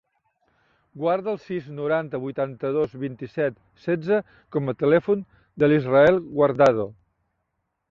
Guarda el sis, noranta, vuitanta-dos, vint-i-set, setze com a telèfon de l'Israel Guardado.